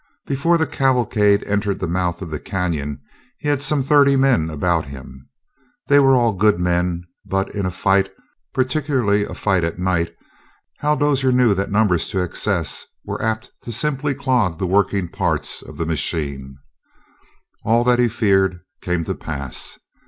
Before the cavalcade entered the mouth of the canyon he had some thirty men about him. They were all good men, but in a fight, particularly a fight at night, Hal Dozier knew that numbers to excess are apt to simply clog the working parts of the machine. All that he feared came to pass.